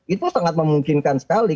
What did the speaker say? itu sangat memungkinkan sekali